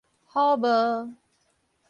虎帽